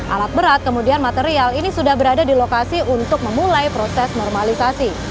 alat berat kemudian material ini sudah berada di lokasi untuk memulai proses normalisasi